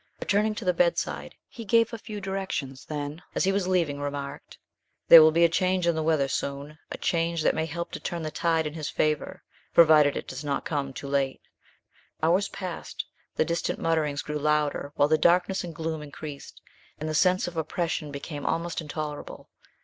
Returning to the bedside, he gave a few directions, then, as he was leaving, remarked, "There will be a change in the weather soon, a change that may help to turn the tide in his favor, provided it does not come too late!" Hours passed; the distant mutterings grew louder, while the darkness and gloom increased, and the sense of oppression became almost intolerable.